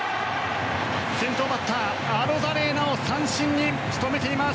先頭バッター、アロザレーナを三振に仕留めています